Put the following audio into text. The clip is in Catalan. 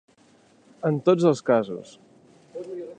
En tots els casos.